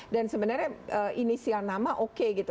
dan sebenarnya inisial nama oke gitu